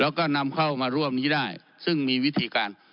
แล้วก็นำเข้ามาร่วมนี้ได้ซึ่งมีวิธีการ